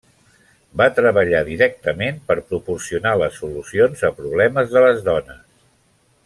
Va treballar directament per proporcionar les solucions a problemes de les dones.